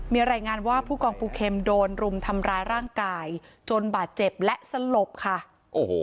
มีรายงานว่าผู้กองปูเข็มโดนรุมทำร้ายร่างกายจนบาดเจ็บและสลบค่ะโอ้โห